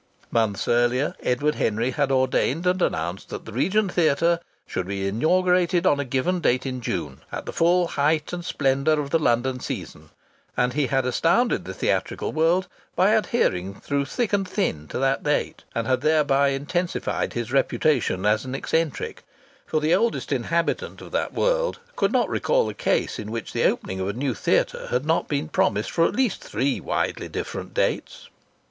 Months earlier Edward Henry had ordained and announced that the Regent Theatre should be inaugurated on a given date in June, at the full height and splendour of the London season, and he had astounded the theatrical world by adhering through thick and thin to that date, and had thereby intensified his reputation as an eccentric; for the oldest inhabitant of that world could not recall a case in which the opening of a new theatre had not been promised for at least three widely different dates.